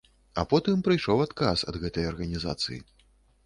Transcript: А потым прыйшоў адказ ад гэтай арганізацыі.